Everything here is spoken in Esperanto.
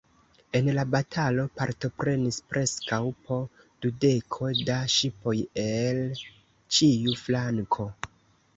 En la batalo partoprenis preskaŭ po dudeko da ŝipoj el ĉiu flanko.